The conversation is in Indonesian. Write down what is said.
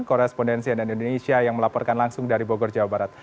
korespondensi nn indonesia yang melaporkan langsung dari bogor jawa barat